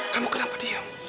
kamu kenapa diam